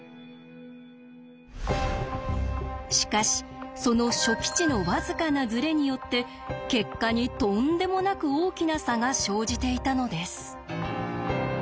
しかしその初期値のわずかなズレによって結果にとんでもなく大きな差が生じていたのです。